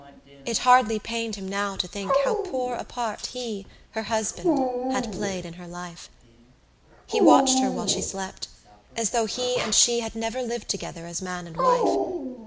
It hardly pained him now to think how poor a part he, her husband, had played in her life. He watched her while she slept as though he and she had never lived together as man and wife.